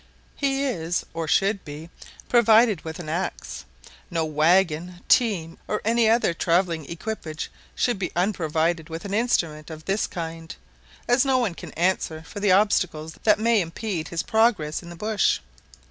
He is, or should be, provided with an axe. No waggon, team, or any other travelling equipage should be unprovided with an instrument of this kind; as no one can answer for the obstacles that may impede his progress in the bush.